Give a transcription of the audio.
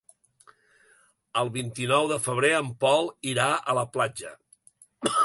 El vint-i-nou de febrer en Pol irà a la platja.